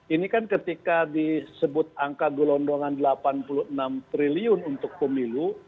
ini kan ketika disebut angka gelondongan delapan puluh enam triliun untuk pemilu